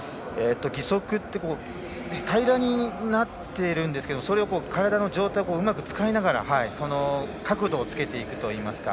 義足って平らになってるんですけどそれを体の状態をうまく使いながら角度をつけていくというか。